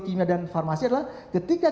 kimia dan farmasi adalah ketika